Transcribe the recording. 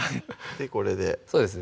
これでそうですね